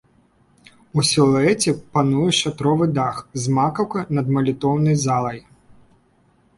У сілуэце пануе шатровы дах з макаўкай над малітоўнай залай.